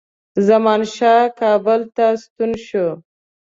زمانشاه کابل ته ستون شو.